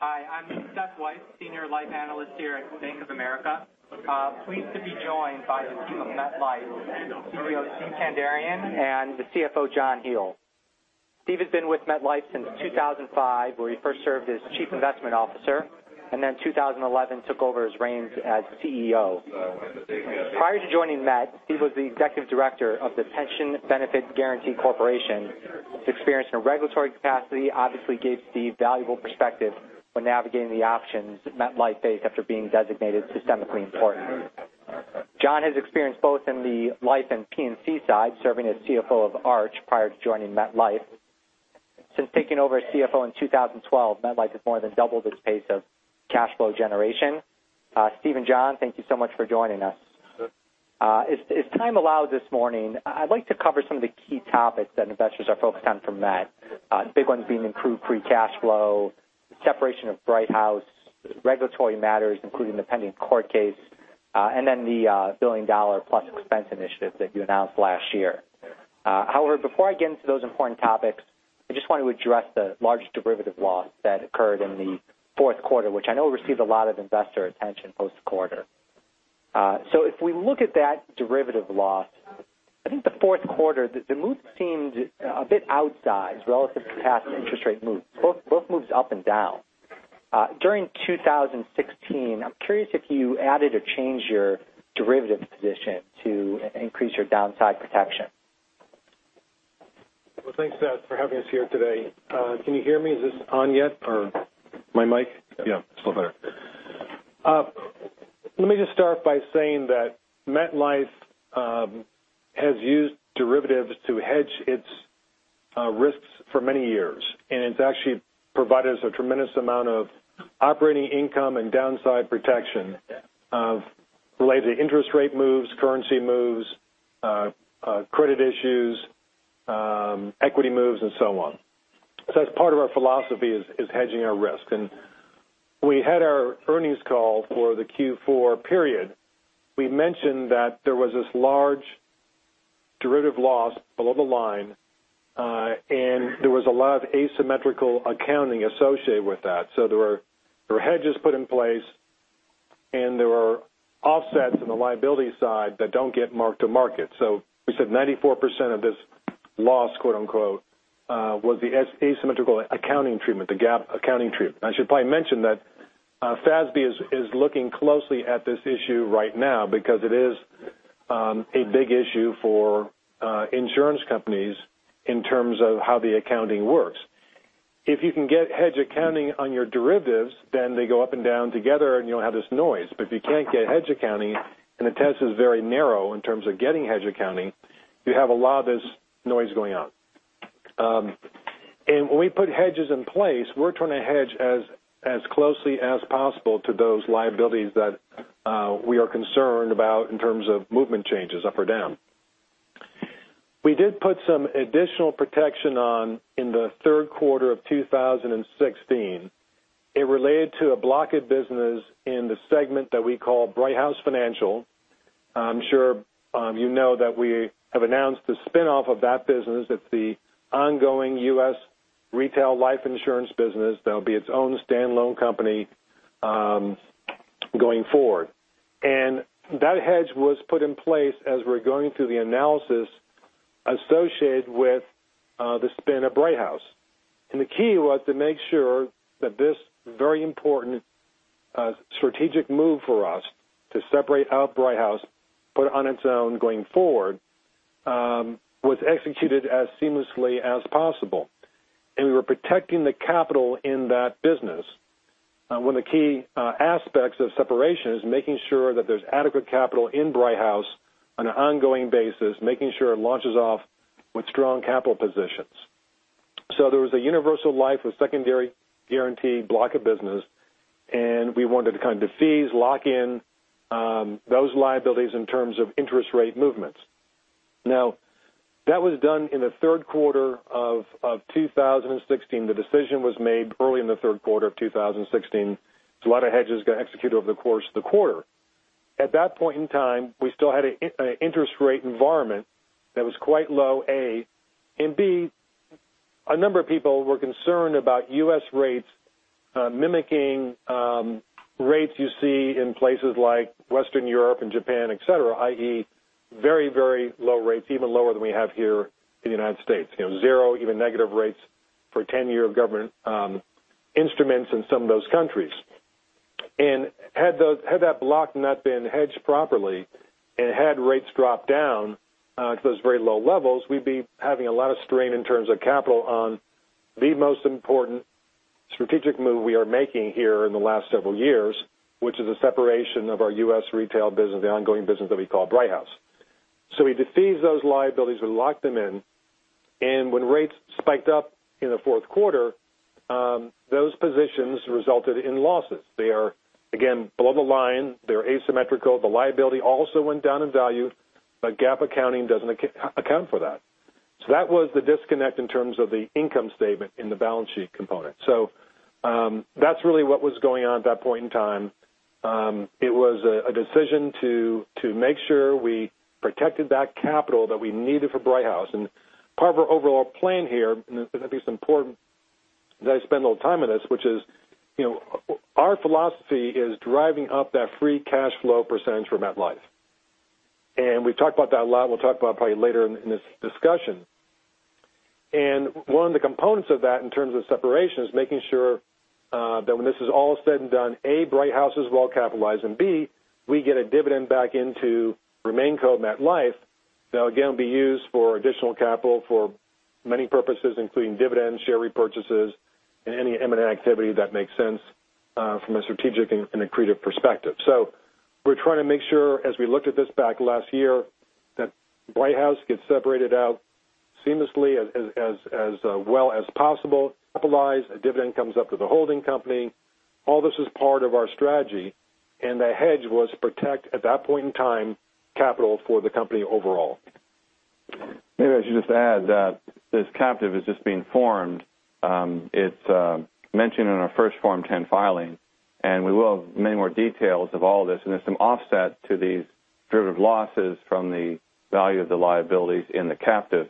Hi, I'm Seth Weiss, Senior Life Analyst here at Bank of America. Pleased to be joined by the team of MetLife, CEO Steve Kandarian, and the CFO, John Hele. Steve has been with MetLife since 2005, where he first served as Chief Investment Officer. Then 2011, took over his reins as CEO. Prior to joining Met, he was the Executive Director of the Pension Benefit Guaranty Corporation. His experience in a regulatory capacity obviously gave Steve valuable perspective when navigating the options MetLife faced after being designated systemically important. John has experience both in the life and P&C side, serving as CFO of Arch prior to joining MetLife. Since taking over as CFO in 2012, MetLife has more than doubled its pace of cash flow generation. Steve and John, thank you so much for joining us. If time allows this morning, I'd like to cover some of the key topics that investors are focused on from Met. Big ones being improved free cash flow, separation of Brighthouse, regulatory matters, including the pending court case. Then the $1 billion-plus expense initiative that you announced last year. However, before I get into those important topics, I just want to address the large derivative loss that occurred in the fourth quarter, which I know received a lot of investor attention post-quarter. If we look at that derivative loss, I think the fourth quarter, the move seemed a bit outsized relative to past interest rate moves, both moves up and down. During 2016, I'm curious if you added or changed your derivative position to increase your downside protection. Thanks, Seth, for having us here today. Can you hear me? Is this on yet, or my mic? Yeah, it's a little better. Let me just start by saying that MetLife has used derivatives to hedge its risks for many years, and it's actually provided us a tremendous amount of operating income and downside protection of the interest rate moves, currency moves, credit issues, equity moves, and so on. It's part of our philosophy is hedging our risk. When we had our earnings call for the Q4 period, we mentioned that there was this large derivative loss below the line, and there was a lot of asymmetrical accounting associated with that. There were hedges put in place, and there were offsets in the liability side that don't get marked to market. We said 94% of this "loss," was the asymmetrical accounting treatment, the GAAP accounting treatment. I should probably mention that FASB is looking closely at this issue right now because it is a big issue for insurance companies in terms of how the accounting works. If you can get hedge accounting on your derivatives, then they go up and down together, and you don't have this noise. If you can't get hedge accounting, and the test is very narrow in terms of getting hedge accounting, you have a lot of this noise going on. When we put hedges in place, we're trying to hedge as closely as possible to those liabilities that we are concerned about in terms of movement changes up or down. We did put some additional protection on in the third quarter of 2016. It related to a block of business in the segment that we call Brighthouse Financial. I'm sure you know that we have announced the spin-off of that business. It's the ongoing U.S. retail life insurance business that'll be its own stand-alone company going forward. That hedge was put in place as we were going through the analysis associated with the spin of Brighthouse. The key was to make sure that this very important strategic move for us to separate out Brighthouse, put it on its own going forward, was executed as seamlessly as possible. We were protecting the capital in that business. One of the key aspects of separation is making sure that there's adequate capital in Brighthouse on an ongoing basis, making sure it launches off with strong capital positions. There was a universal life with secondary guarantee block of business, and we wanted to kind of defease, lock in those liabilities in terms of interest rate movements. That was done in the third quarter of 2016. The decision was made early in the third quarter of 2016. A lot of hedges got executed over the course of the quarter. At that point in time, we still had an interest rate environment that was quite low, A, and B, a number of people were concerned about U.S. rates mimicking rates you see in places like Western Europe and Japan, et cetera, i.e., very, very low rates, even lower than we have here in the United States. Zero, even negative rates for 10-year government instruments in some of those countries. Had that block not been hedged properly and had rates dropped down to those very low levels, we'd be having a lot of strain in terms of capital on the most important strategic move we are making here in the last several years, which is a separation of our U.S. retail business, the ongoing business that we call Brighthouse. We defease those liabilities, we lock them in, and when rates spiked up in the fourth quarter, those positions resulted in losses. They are, again, below the line. They're asymmetrical. The liability also went down in value, but GAAP accounting doesn't account for that. That was the disconnect in terms of the income statement in the balance sheet component. That's really what was going on at that point in time. It was a decision to make sure we protected that capital that we needed for Brighthouse. Part of our overall plan here, and I think it's important that I spend a little time on this, which is, our philosophy is driving up that free cash flow percentage for MetLife. We've talked about that a lot. We'll talk about it probably later in this discussion. One of the components of that in terms of separation is making sure that when this is all said and done, A, Brighthouse is well-capitalized, and B, we get a dividend back into RemainCo MetLife, that again, will be used for additional capital for many purposes, including dividends, share repurchases, and any M&A activity that makes sense from a strategic and accretive perspective. We're trying to make sure, as we looked at this back last year, that Brighthouse gets separated out seamlessly as well as possible, capitalized, a dividend comes up to the holding company. All this is part of our strategy, the hedge was to protect, at that point in time, capital for the company overall. Maybe I should just add that this captive is just being formed. It's mentioned in our first Form 10 filing, we will have many more details of all this, there's some offset to these derivative losses from the value of the liabilities in the captive.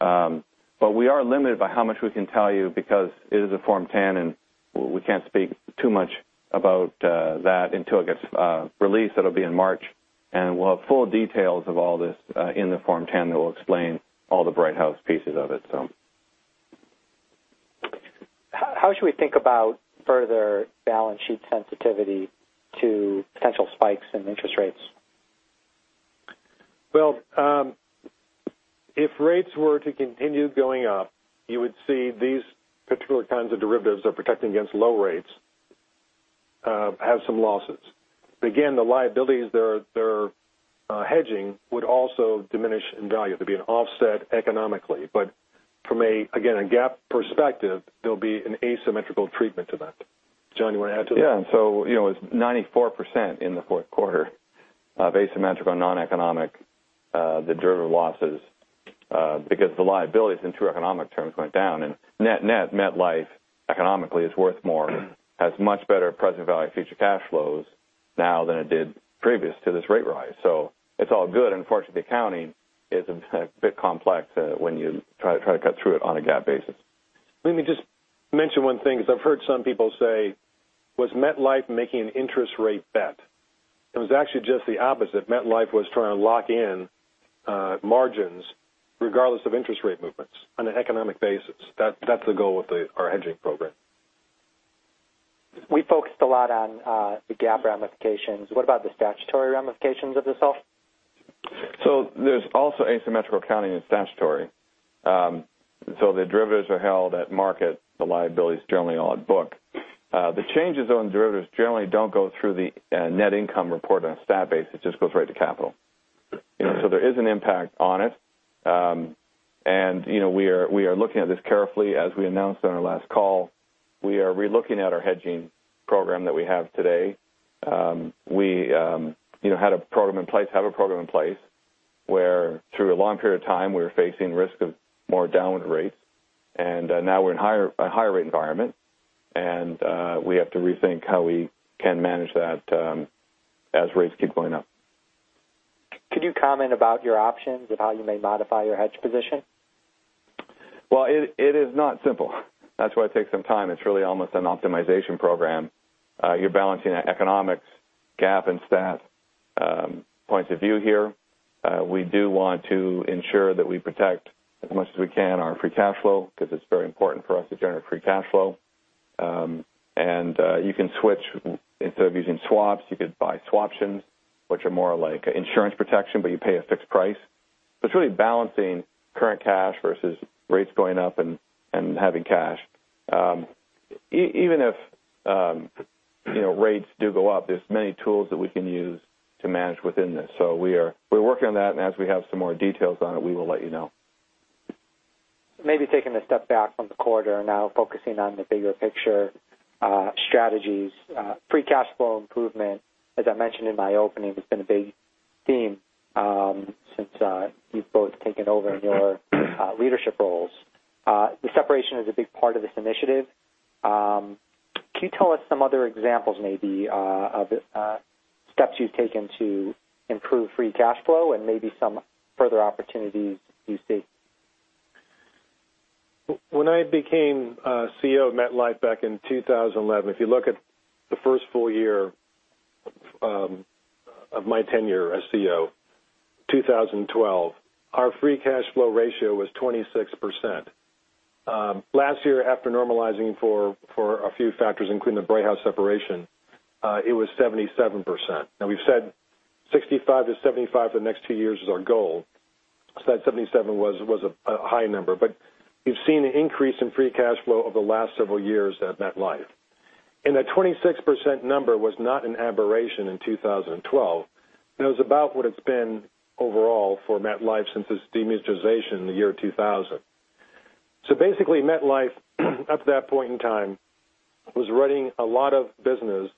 We are limited by how much we can tell you because it is a Form 10, we can't speak too much about that until it gets released. It'll be in March, we'll have full details of all this in the Form 10 that will explain all the Brighthouse pieces of it. How should we think about further balance sheet sensitivity to potential spikes in interest rates? Well, if rates were to continue going up, you would see these particular kinds of derivatives that are protecting against low rates have some losses. Again, the liabilities they're hedging would also diminish in value. There'd be an offset economically. From, again, a GAAP perspective, there'll be an asymmetrical treatment to that. John, you want to add to that? It's 94% in the fourth quarter of asymmetrical non-economic derivative losses because the liabilities in true economic terms went down, and net-net, MetLife economically is worth more, has much better present value of future cash flows now than it did previous to this rate rise. It's all good. Unfortunately, accounting is a bit complex when you try to cut through it on a GAAP basis. Let me just mention one thing, because I've heard some people say, "Was MetLife making an interest rate bet?" It was actually just the opposite. MetLife was trying to lock in margins regardless of interest rate movements on an economic basis. That's the goal with our hedging program. We focused a lot on the GAAP ramifications. What about the statutory ramifications of this all? There's also asymmetrical accounting in statutory. The derivatives are held at market, the liability is generally all at book. The changes on derivatives generally don't go through the net income report on a stat base. It just goes right to capital. There is an impact on it. We are looking at this carefully. As we announced on our last call, we are re-looking at our hedging program that we have today. We have a program in place where through a long period of time, we were facing risk of more downward rates, and now we're in a higher rate environment, and we have to rethink how we can manage that as rates keep going up. Could you comment about your options of how you may modify your hedge position? Well, it is not simple. That's why it takes some time. It's really almost an optimization program. You're balancing economics, GAAP and stat points of view here. We do want to ensure that we protect as much as we can our free cash flow because it's very important for us to generate free cash flow. You can switch, instead of using swaps, you could buy swaption, which are more like insurance protection, but you pay a fixed price. It's really balancing current cash versus rates going up and having cash. Even if rates do go up, there's many tools that we can use to manage within this. We're working on that, and as we have some more details on it, we will let you know. Maybe taking a step back from the quarter and now focusing on the bigger picture strategies, free cash flow improvement, as I mentioned in my opening, has been a big theme since you've both taken over your leadership roles. The separation is a big part of this initiative. Can you tell us some other examples, maybe, of steps you've taken to improve free cash flow and maybe some further opportunities you see? When I became CEO of MetLife back in 2011, if you look at the first full year of my tenure as CEO, 2012, our free cash flow ratio was 26%. Last year, after normalizing for a few factors, including the Brighthouse separation, it was 77%. We've said 65%-75% for the next two years is our goal. That 77% was a high number. You've seen an increase in free cash flow over the last several years at MetLife. That 26% number was not an aberration in 2012. Basically, MetLife, up to that point in time, was running a lot of business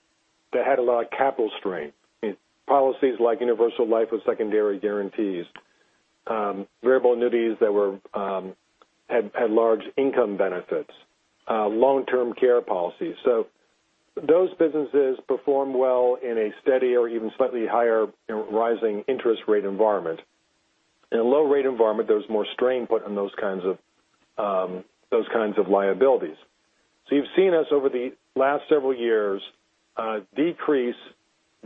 that had a lot of capital strength in policies like universal life with secondary guarantees variable annuities that had large income benefits, long-term care policies. Those businesses perform well in a steady or even slightly higher rising interest rate environment. In a low rate environment, there's more strain put on those kinds of liabilities. You've seen us over the last several years decrease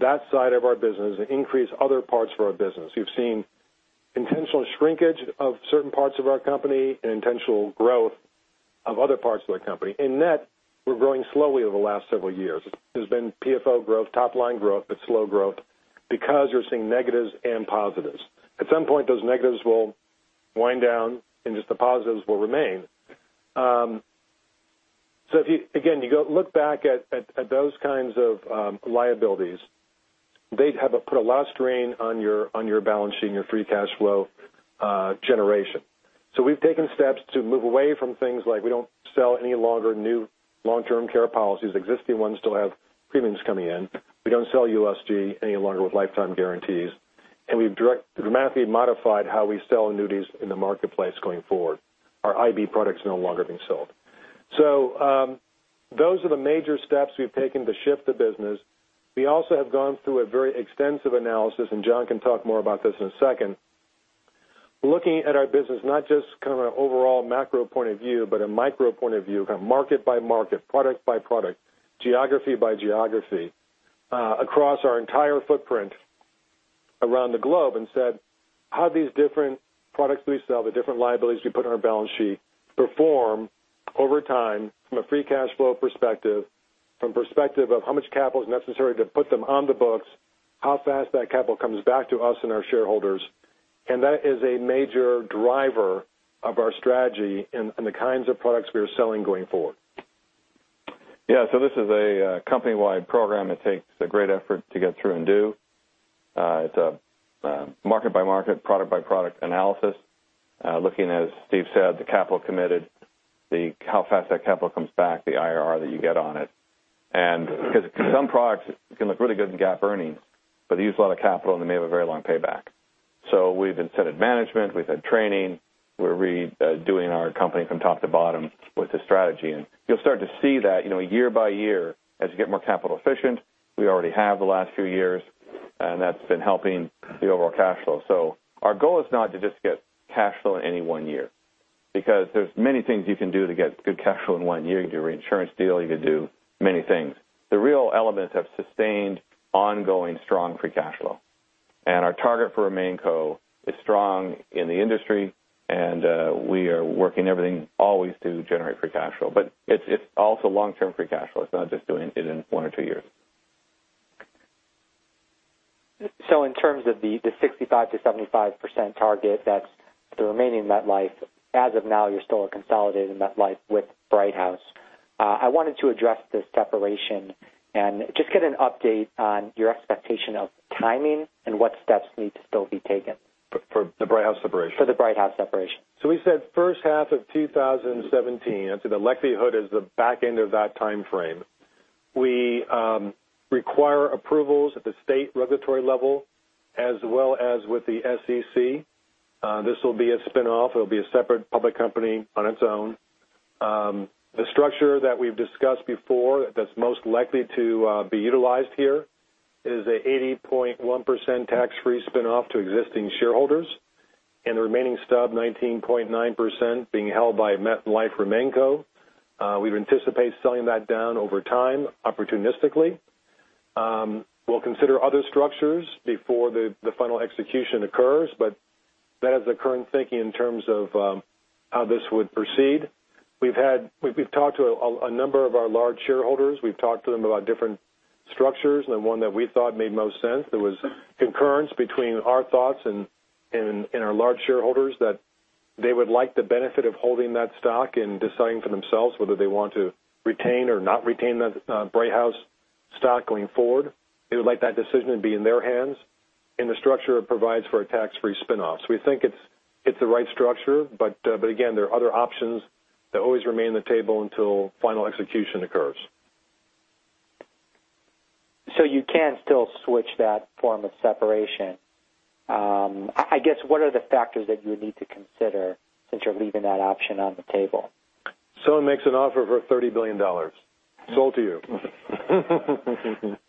that side of our business and increase other parts of our business. You've seen intentional shrinkage of certain parts of our company and intentional growth of other parts of our company. In net, we're growing slowly over the last several years. There's been PFO growth, top-line growth, but slow growth because you're seeing negatives and positives. At some point, those negatives will wind down and just the positives will remain. If, again, you go look back at those kinds of liabilities, they put a lot of strain on your balance sheet and your free cash flow generation. We've taken steps to move away from things like we don't sell any longer new long-term care policies. Existing ones still have premiums coming in. We don't sell USG any longer with lifetime guarantees, and we've dramatically modified how we sell annuities in the marketplace going forward. Our IB product's no longer being sold. Those are the major steps we've taken to shift the business. We also have gone through a very extensive analysis, and John can talk more about this in a second, looking at our business, not just kind of an overall macro point of view, but a micro point of view, kind of market by market, product by product, geography by geography across our entire footprint around the globe and said, how these different products we sell, the different liabilities we put on our balance sheet perform over time from a free cash flow perspective, from perspective of how much capital is necessary to put them on the books, how fast that capital comes back to us and our shareholders, and that is a major driver of our strategy and the kinds of products we are selling going forward. Yeah. This is a company-wide program that takes a great effort to get through and do. It's a market-by-market, product-by-product analysis, looking, as Steve said, the capital committed, how fast that capital comes back, the IRR that you get on it. Because some products can look really good in GAAP earnings, but they use a lot of capital, and they may have a very long payback. We've incented management. We've had training. We're redoing our company from top to bottom with this strategy. You'll start to see that year by year as you get more capital efficient. We already have the last few years, and that's been helping the overall cash flow. Our goal is not to just get cash flow in any one year because there's many things you can do to get good cash flow in one year. You can do a reinsurance deal. You could do many things. The real elements have sustained ongoing strong free cash flow. Our target for a RemainCo is strong in the industry, and we are working everything always to generate free cash flow. It's also long-term free cash flow. It's not just doing it in one or two years. In terms of the 65%-75% target, that's the remaining MetLife. As of now, you're still a consolidated MetLife with Brighthouse. I wanted to address the separation and just get an update on your expectation of timing and what steps need to still be taken. For the Brighthouse separation? For the Brighthouse separation. We said first half of 2017. I'd say the likelihood is the back end of that time frame. We require approvals at the state regulatory level as well as with the SEC. This will be a spin-off. It'll be a separate public company on its own. The structure that we've discussed before that's most likely to be utilized here is a 80.1% tax-free spin-off to existing shareholders, and the remaining stub, 19.9%, being held by MetLife RemainCo. We would anticipate selling that down over time, opportunistically. We'll consider other structures before the final execution occurs, that is the current thinking in terms of how this would proceed. We've talked to a number of our large shareholders. We've talked to them about different structures, the one that we thought made most sense, there was concurrence between our thoughts and our large shareholders that they would like the benefit of holding that stock and deciding for themselves whether they want to retain or not retain the Brighthouse stock going forward. They would like that decision to be in their hands, the structure provides for a tax-free spin-off. We think it's the right structure, again, there are other options that always remain on the table until final execution occurs. You can still switch that form of separation. I guess, what are the factors that you would need to consider since you're leaving that option on the table? Someone makes an offer for $30 billion. Sold to you.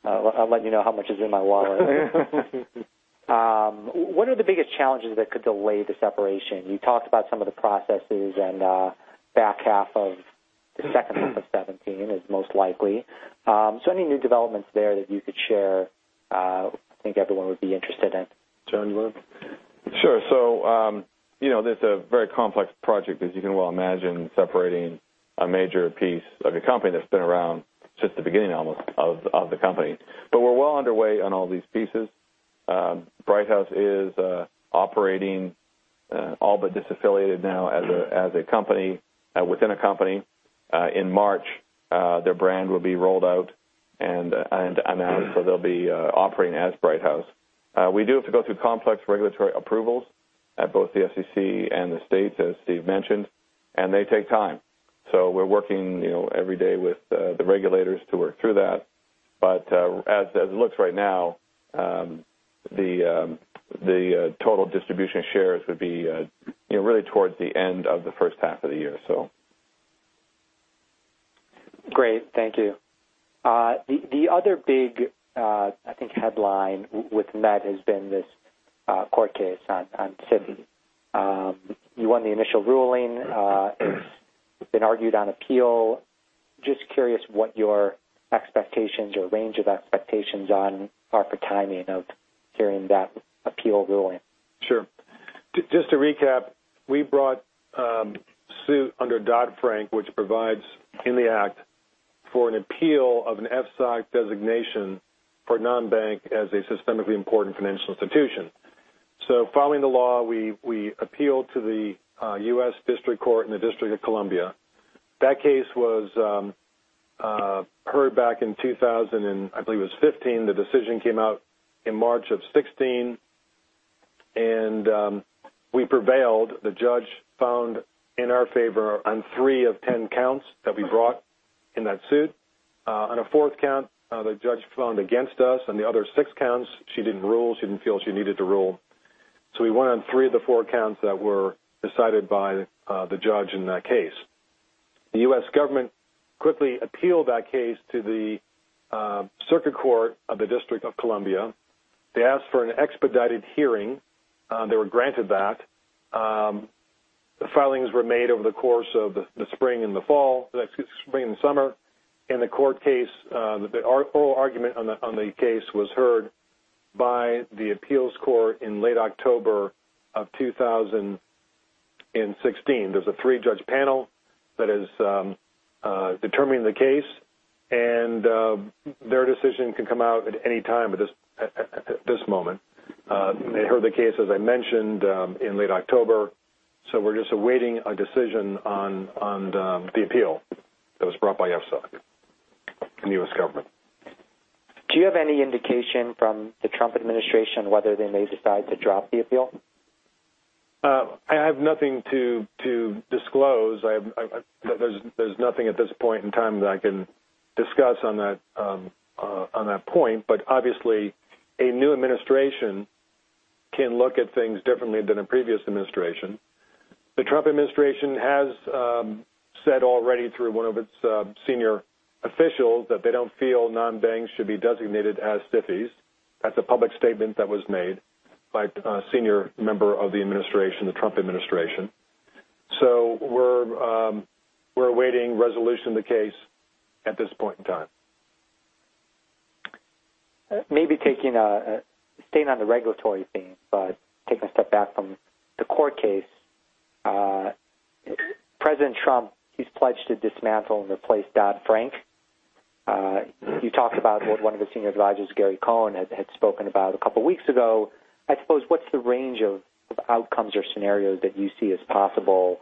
I'll let you know how much is in my wallet. What are the biggest challenges that could delay the separation? You talked about some of the processes and back half of the second half of '17 is most likely. any new developments there that you could share, I think everyone would be interested in. John, you want to? Sure. this is a very complex project, as you can well imagine, separating a major piece of a company that's been around since the beginning, almost, of the company. we're well underway on all these pieces. Brighthouse is operating, all but disaffiliated now as a company within a company. In March, their brand will be rolled out and announced, so they'll be operating as Brighthouse. We do have to go through complex regulatory approvals at both the SEC and the state, as Steve mentioned, and they take time. we're working every day with the regulators to work through that. as it looks right now, the total distribution shares would be really towards the end of the first half of the year, so. Great. Thank you. The other big, I think, headline with Met has been this court case on SIFI. You won the initial ruling. It's been argued on appeal. Just curious what your expectations or range of expectations are for timing of hearing that appeal ruling. Sure. Just to recap, we brought suit under Dodd-Frank, which provides in the act for an appeal of an FSOC designation for non-bank as a systemically important financial institution. Following the law, we appealed to the U.S. District Court in the District of Columbia. That case was heard back in 2015. The decision came out in March of 2016, and we prevailed. The judge found in our favor on three of 10 counts that we brought in that suit. On a fourth count, the judge found against us, and the other six counts, she didn't rule. She didn't feel she needed to rule. We won on three of the four counts that were decided by the judge in that case. The U.S. government quickly appealed that case to the circuit court of the District of Columbia. They asked for an expedited hearing. They were granted that. The filings were made over the course of the spring and the summer. The court case, the oral argument on the case was heard by the appeals court in late October of 2016. There's a three-judge panel that is determining the case, and their decision can come out at any time at this moment. They heard the case, as I mentioned, in late October, we're just awaiting a decision on the appeal that was brought by FSOC and the U.S. government. Do you have any indication from the Trump administration whether they may decide to drop the appeal? I have nothing to disclose. There's nothing at this point in time that I can discuss on that point. Obviously, a new administration can look at things differently than a previous administration. The Trump administration has said already through one of its senior officials that they don't feel non-banks should be designated as SIFIs. That's a public statement that was made by a senior member of the Trump administration. We're awaiting resolution of the case at this point in time. Maybe staying on the regulatory theme, but taking a step back from the court case. President Trump, he's pledged to dismantle and replace Dodd-Frank. You talked about what one of his senior advisors, Gary Cohn, had spoken about a couple of weeks ago. I suppose, what's the range of outcomes or scenarios that you see as possible,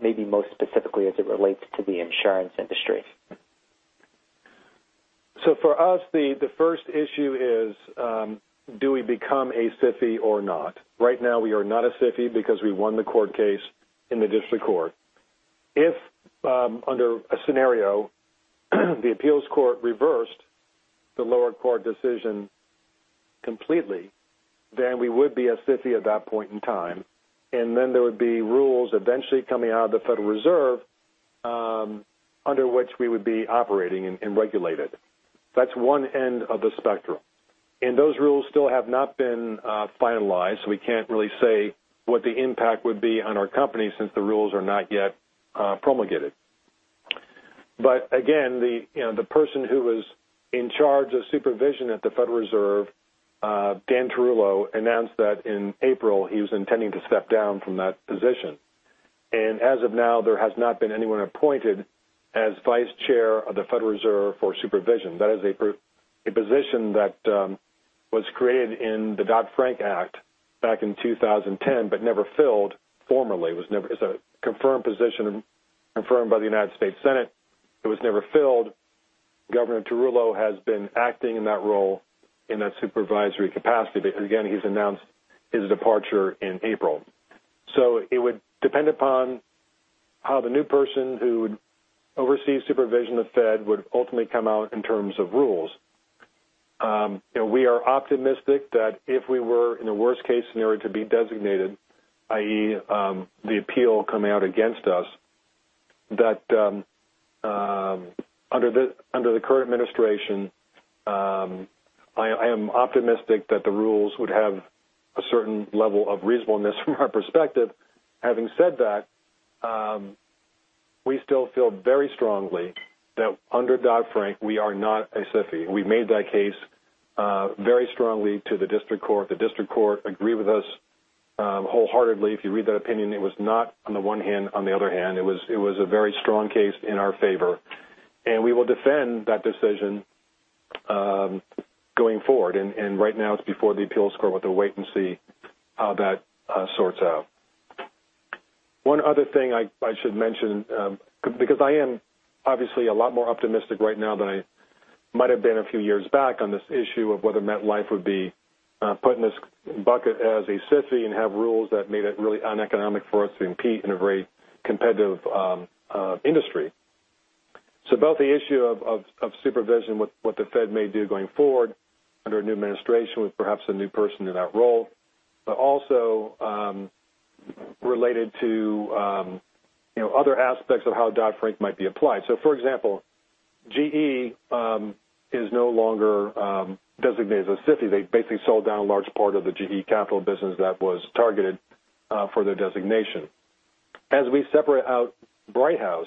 maybe most specifically as it relates to the insurance industry? For us, the first issue is, do we become a SIFI or not? Right now, we are not a SIFI because we won the court case in the district court. If, under a scenario, the appeals court reversed the lower court decision completely, then we would be a SIFI at that point in time, and then there would be rules eventually coming out of the Federal Reserve, under which we would be operating and regulated. That's one end of the spectrum. Those rules still have not been finalized, so we can't really say what the impact would be on our company since the rules are not yet promulgated. Again, the person who was in charge of supervision at the Federal Reserve, Dan Tarullo, announced that in April, he was intending to step down from that position. As of now, there has not been anyone appointed as vice chair of the Federal Reserve for Supervision. That is a position that was created in the Dodd-Frank Act back in 2010, but never filled formally. It's a confirmed position, confirmed by the United States Senate. It was never filled. Governor Tarullo has been acting in that role in a supervisory capacity. Again, he's announced his departure in April. It would depend upon how the new person who would oversee supervision of the Fed would ultimately come out in terms of rules. We are optimistic that if we were, in a worst-case scenario, to be designated, i.e., the appeal coming out against us, that under the current administration, I am optimistic that the rules would have a certain level of reasonableness from our perspective. Having said that, we still feel very strongly that under Dodd-Frank, we are not a SIFI. We made that case very strongly to the district court. The district court agreed with us wholeheartedly. If you read that opinion, it was not on the one hand, on the other hand. It was a very strong case in our favor, and we will defend that decision going forward. Right now, it's before the appeals court. We'll have to wait and see how that sorts out. One other thing I should mention, because I am obviously a lot more optimistic right now than I might have been a few years back on this issue of whether MetLife would be put in this bucket as a SIFI and have rules that made it really uneconomic for us to compete in a very competitive industry. Both the issue of supervision, what the Fed may do going forward under a new administration, with perhaps a new person in that role, but also related to other aspects of how Dodd-Frank might be applied. For example, GE is no longer designated as a SIFI. They basically sold down a large part of the GE Capital business that was targeted for their designation. As we separate out Brighthouse,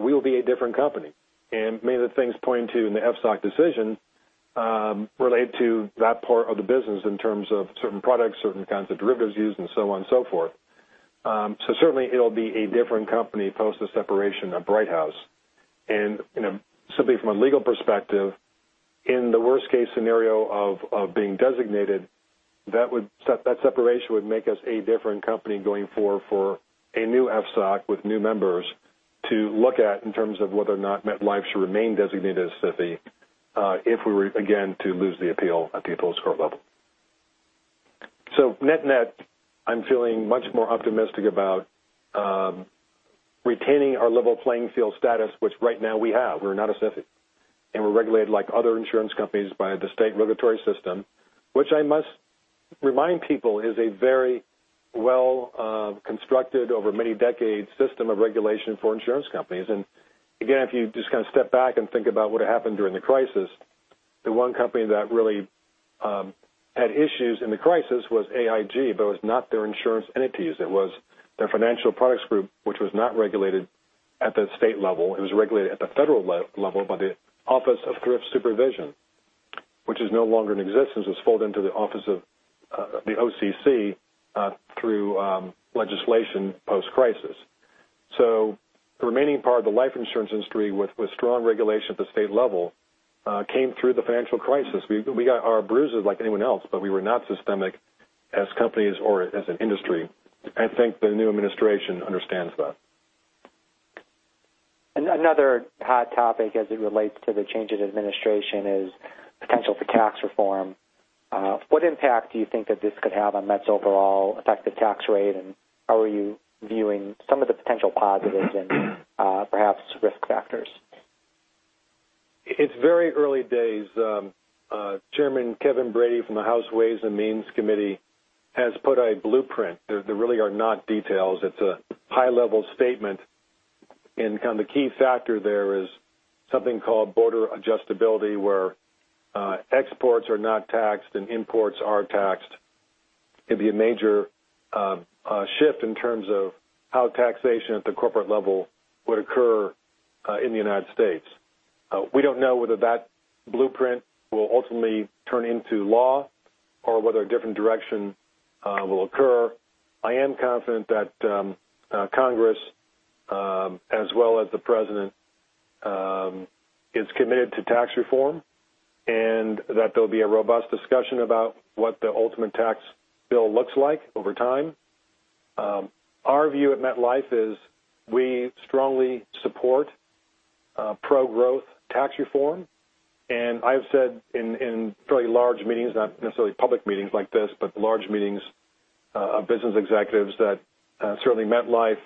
we will be a different company. Many of the things pointing to in the FSOC decision relate to that part of the business in terms of certain products, certain kinds of derivatives used, and so on and so forth. Certainly it'll be a different company post the separation of Brighthouse. Simply from a legal perspective, in the worst-case scenario of being designated, that separation would make us a different company going forward for a new FSOC with new members to look at in terms of whether or not MetLife should remain designated as a SIFI if we were, again, to lose the appeal at the appeals court level. Net-net, I'm feeling much more optimistic about retaining our level playing field status, which right now we have. We're not a SIFI, and we're regulated like other insurance companies by the state regulatory system, which I must remind people is a very well-constructed, over many decades, system of regulation for insurance companies. Again, if you just kind of step back and think about what happened during the crisis, the one company that really had issues in the crisis was AIG, but it was not their insurance entities. It was their financial products group, which was not regulated at the state level. It was regulated at the federal level by the Office of Thrift Supervision, which is no longer in existence. It was folded into the OCC through legislation post-crisis. The remaining part of the life insurance industry, with strong regulation at the state level, came through the financial crisis. We got our bruises like anyone else, but we were not systemic as companies or as an industry. I think the new administration understands that. Another hot topic as it relates to the change in administration is potential for tax reform. What impact do you think that this could have on Met's overall effective tax rate, and how are you viewing some of the potential positives in perhaps risk factors? It's very early days. Chairman Kevin Brady from the House Ways and Means Committee has put a blueprint. There really are not details. It's a high-level statement. The key factor there is something called border adjustability, where exports are not taxed and imports are taxed. It'd be a major shift in terms of how taxation at the corporate level would occur in the United States. We don't know whether that blueprint will ultimately turn into law or whether a different direction will occur. I am confident that Congress as well as the President is committed to tax reform, that there'll be a robust discussion about what the ultimate tax bill looks like over time. Our view at MetLife is we strongly support pro-growth tax reform. I've said in fairly large meetings, not necessarily public meetings like this, but large meetings of business executives, that certainly MetLife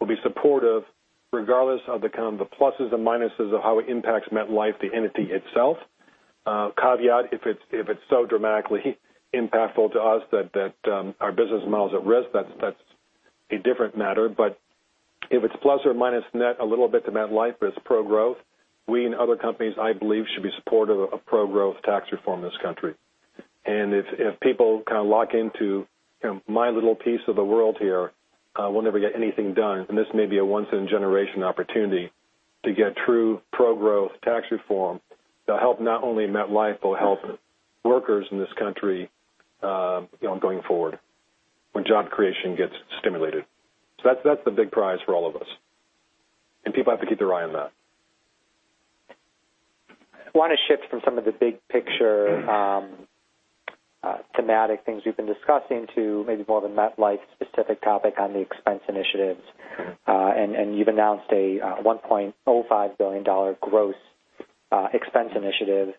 will be supportive regardless of the kind of the pluses and minuses of how it impacts MetLife, the entity itself. Caveat, if it's so dramatically impactful to us that our business model is at risk, that's a different matter. If it's plus or minus net a little bit to MetLife, but it's pro-growth, we and other companies, I believe, should be supportive of pro-growth tax reform in this country. If people kind of lock into my little piece of the world here, we'll never get anything done. This may be a once in a generation opportunity to get true pro-growth tax reform that'll help not only MetLife, but will help workers in this country going forward when job creation gets stimulated. That's the big prize for all of us, people have to keep their eye on that. I want to shift from some of the big picture thematic things we've been discussing to maybe more of a MetLife specific topic on the expense initiatives. Okay. You've announced a $1.05 billion gross expense initiative.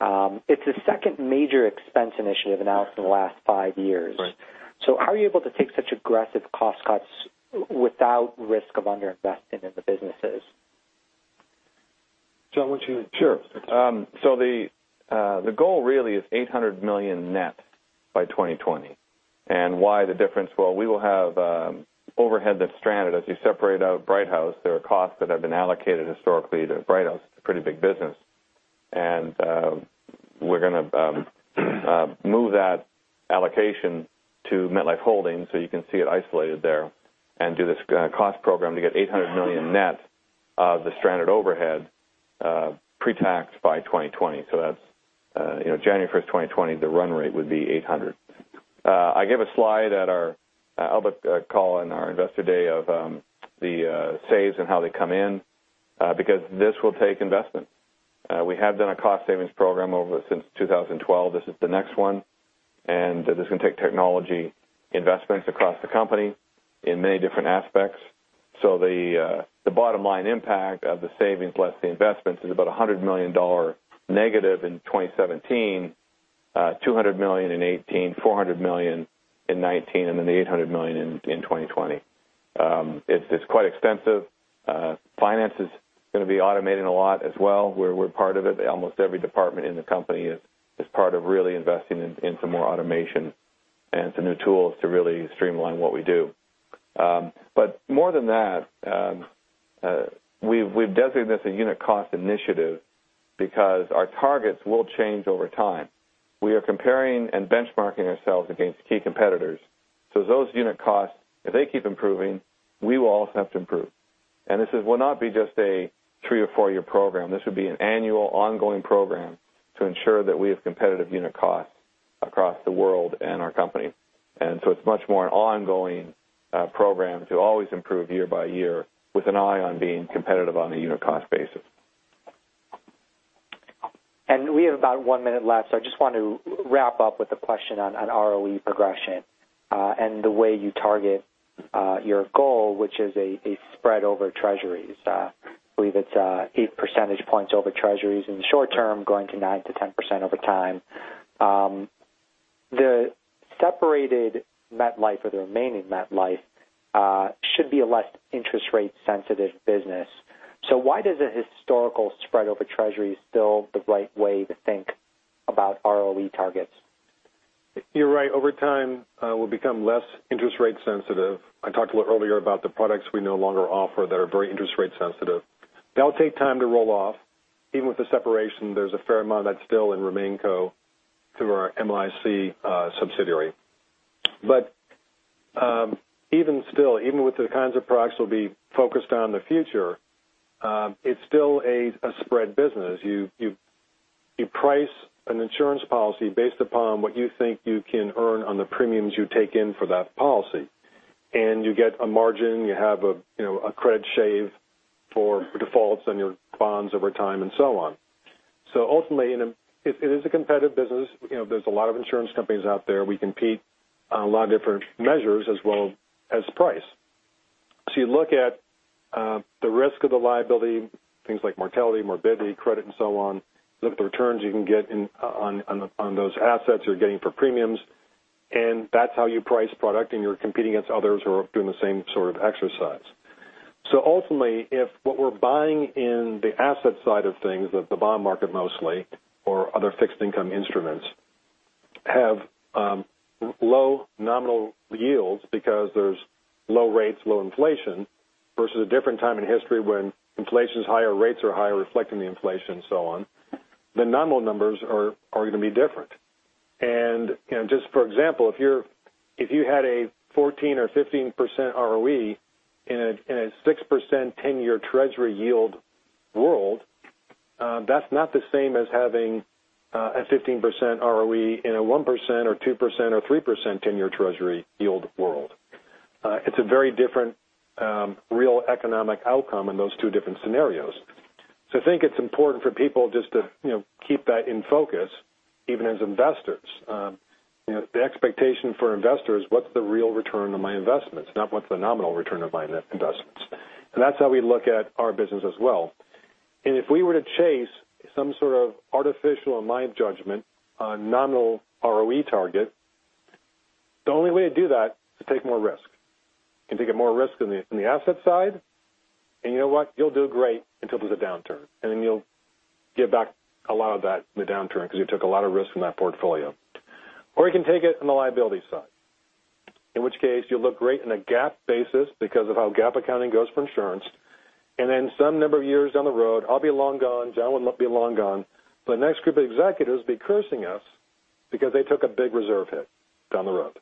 It's the second major expense initiative announced in the last five years. Right. How are you able to take such aggressive cost cuts without risk of under-investing in the businesses? John. Sure. The goal really is $800 million net by 2020. Why the difference? Well, we will have overhead that's stranded. As you separate out Brighthouse Financial, there are costs that have been allocated historically to Brighthouse Financial. It's a pretty big business. We're going to move that allocation to MetLife Holdings, so you can see it isolated there, and do this cost program to get $800 million net of the stranded overhead pre-tax by 2020. That's January 1st, 2020, the run rate would be $800 million. I gave a slide at our public call in our investor day of the saves and how they come in because this will take investment. We have done a cost savings program since 2012. This is the next one, and this is going to take technology investments across the company in many different aspects. The bottom line impact of the savings less the investments is about $100 million negative in 2017, $200 million in 2018, $400 million in 2019, and then $800 million in 2020. It's quite extensive. Finance is going to be automating a lot as well. We're part of it. Almost every department in the company is part of really investing in some more automation and some new tools to really streamline what we do. More than that, we've designated this a unit cost initiative because our targets will change over time. We are comparing and benchmarking ourselves against key competitors. Those unit costs, if they keep improving, we will also have to improve. This will not be just a three or four-year program. This would be an annual ongoing program to ensure that we have competitive unit costs across the world and our company. It's much more an ongoing program to always improve year by year with an eye on being competitive on a unit cost basis. We have about one minute left, so I just want to wrap up with a question on ROE progression, and the way you target your goal, which is a spread over Treasuries. I believe it's eight percentage points over Treasuries in the short term, going to 9%-10% over time. The separated MetLife or the remaining MetLife should be a less interest rate-sensitive business. Why is the historical spread over Treasuries still the right way to think about ROE targets? You're right. Over time, we'll become less interest rate sensitive. I talked a little earlier about the products we no longer offer that are very interest rate sensitive. That'll take time to roll off. Even with the separation, there's a fair amount that's still in RemainCo through our MIC subsidiary. Even still, even with the kinds of products we'll be focused on in the future, it's still a spread business. You price an insurance policy based upon what you think you can earn on the premiums you take in for that policy. You get a margin, you have a credit shave for defaults on your bonds over time and so on. Ultimately, it is a competitive business. There's a lot of insurance companies out there. We compete on a lot of different measures as well as price. You look at the risk of the liability, things like mortality, morbidity, credit, and so on. Look at the returns you can get on those assets you're getting for premiums, and that's how you price product, and you're competing against others who are doing the same sort of exercise. Ultimately, if what we're buying in the asset side of things, the bond market mostly, or other fixed income instruments, have low nominal yields because there's low rates, low inflation, versus a different time in history when inflation's higher, rates are higher, reflecting the inflation and so on, the nominal numbers are going to be different. Just for example, if you had a 14% or 15% ROE in a 6% 10-year treasury yield world, that's not the same as having a 15% ROE in a 1% or 2% or 3% 10-year treasury yield world. It's a very different real economic outcome in those two different scenarios. I think it's important for people just to keep that in focus, even as investors. The expectation for investors, what's the real return on my investments, not what's the nominal return of my investments. That's how we look at our business as well. If we were to chase some sort of artificial, in my judgment, nominal ROE target, the only way to do that is take more risk. You can take more risk on the asset side, and you know what? You'll do great until there's a downturn, and then you'll give back a lot of that in the downturn because you took a lot of risk from that portfolio. You can take it on the liability side, in which case you'll look great in a GAAP basis because of how GAAP accounting goes for insurance, and then some number of years down the road, I'll be long gone, John will be long gone, but the next group of executives will be cursing us because they took a big reserve hit down the road.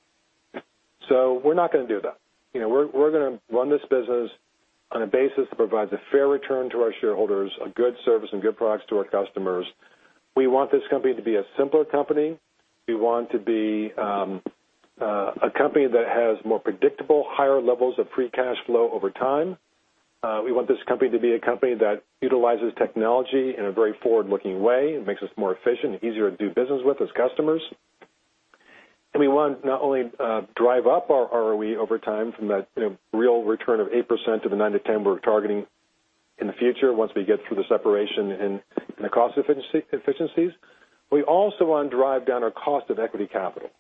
We're not going to do that. We're going to run this business on a basis that provides a fair return to our shareholders, a good service, and good products to our customers. We want this company to be a simpler company. We want to be a company that has more predictable, higher levels of free cash flow over time. We want this company to be a company that utilizes technology in a very forward-looking way. It makes us more efficient, easier to do business with as customers. We want to not only drive up our ROE over time from that real return of 8% to the 9%-10% we're targeting in the future once we get through the separation and the cost efficiencies. We also want to drive down our cost of equity capital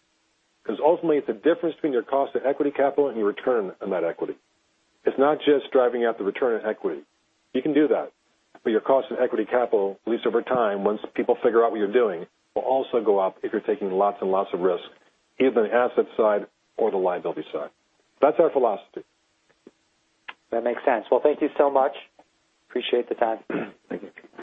because ultimately it's the difference between your cost of equity capital and your return on that equity. It's not just driving out the return on equity. You can do that, but your cost of equity capital, at least over time, once people figure out what you're doing, will also go up if you're taking lots and lots of risk, either on the asset side or the liability side. That's our philosophy. That makes sense. Well, thank you so much. Appreciate the time. Thank you.